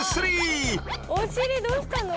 お尻どうしたの？